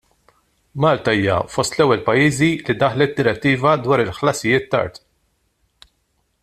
Malta hija fost l-ewwel pajjiżi li daħlet direttiva dwar ħlasijiet tard.